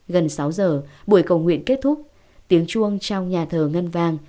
gần sáu giờ buổi cầu nguyện kết thúc tiếng chuông trong nhà thờ ngân vang